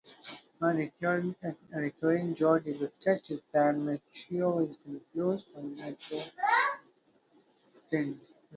A recurring joke in the sketch is that Macchio is confused for an adolescent.